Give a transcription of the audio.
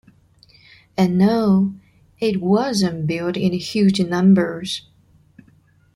And, no, it wasn't built in huge numbers.